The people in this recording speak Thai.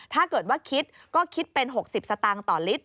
ถ้าเกิดว่าคิดก็คิดเป็น๖๐สตางค์ต่อลิตร